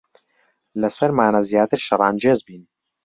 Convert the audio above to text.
لەسەرمانە زیاتر شەڕانگێز بین.